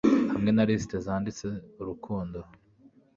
hamwe na lisiti zanditse, urukundo